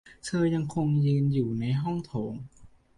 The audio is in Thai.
เธอยังคงยืนอยู่ในห้องโถง